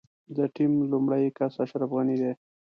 د ټيم لومړی کس اشرف غني دی.